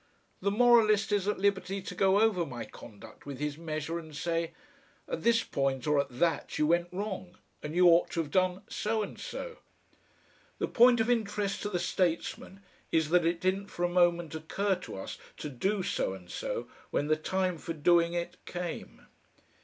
The moralist is at liberty to go over my conduct with his measure and say, "At this point or at that you went wrong, and you ought to have done" so and so. The point of interest to the statesman is that it didn't for a moment occur to us to do so and so when the time for doing it came.